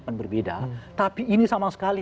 akan berbeda tapi ini sama sekali